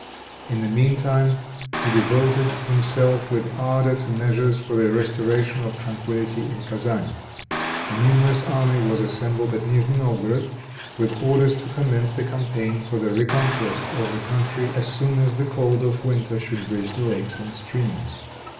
In the meantime he devoted himself with ardor to measures for the restoration of tranquillity in Kezan. A numerous army was assembled at Nigni Novgorod, with orders to commence the campaign for the reconquest of the country as soon as the cold of winter should bridge the lakes and streams.